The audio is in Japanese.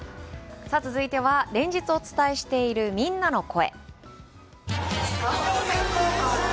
続いては連日お伝えしているみんなの声。